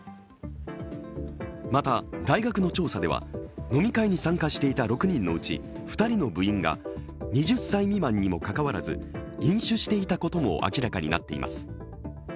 また大学の調査では飲み会に参加していた６人のうち２人の部員が２０歳未満にもかかわらず飲酒していたことも明らかになっています。